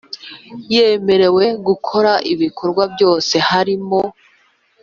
yemerewe gukora ibikorwa byose harimo